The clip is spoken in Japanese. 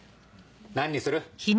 何にする？